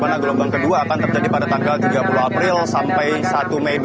karena gelombang kedua akan terjadi pada tanggal tiga puluh april sampai satu mei dua ribu dua puluh tiga